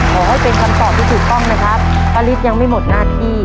ขอให้เป็นคำตอบที่ถูกต้องนะครับป้าฤทธิ์ยังไม่หมดหน้าที่